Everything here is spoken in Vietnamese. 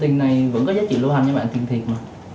tiền này vẫn có giá trị lưu hành nha bạn tiền thiệt mà